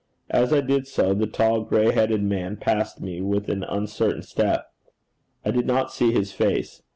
As I did so the tall gray headed man passed me with an uncertain step. I did not see his face.